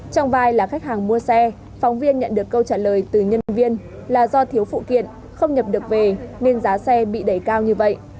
trong vai là khách hàng mua xe phóng viên nhận được câu trả lời từ nhân viên là do thiếu phụ kiện không nhập được về nên giá xe bị đẩy cao như vậy